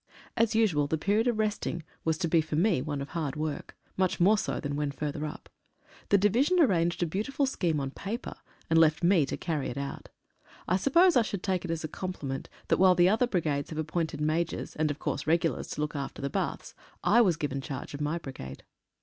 As usual the period of resting was to be for me one of hard work, much more so than when further up. The Division arranged a beautiful scheme on paper, and left me to carry it out. I suppose I should take it as a compliment that while the other brigades have appointed Majors, and, of course, regulars, to look after the baths, I was given charge of my brigade.